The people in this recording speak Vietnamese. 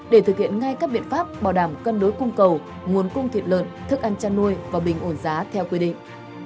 để thực hiện ngay các biện pháp bảo đảm cân đối cung cầu nguồn cung thịt lợn thức ăn chăn nuôi và bình ổn giá theo quy định